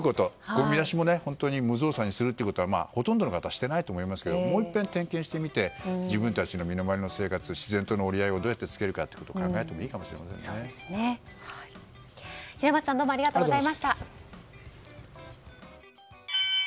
ごみ出しも無造作にするということはほとんどの方はしてないと思いますけどもういっぺん点検してみて自分たちの身の回りの生活自然との折り合いをどうやってつけるかということを平松さんどうもありがとうございました。